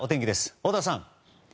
太田さん。